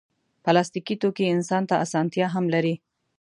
پلاستيکي توکي انسان ته اسانتیا هم لري.